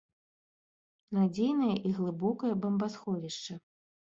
Надзейная і глыбокая бамбасховішча!